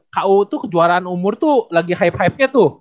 ku itu kejuaraan umur tuh lagi hype hype nya tuh